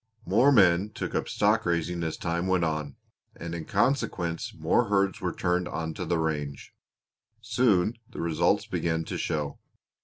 "More men took up stock raising as time went on, and in consequence more herds were turned onto the range. Soon the results began to show.